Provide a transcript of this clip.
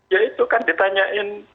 ya itu kan ditanyain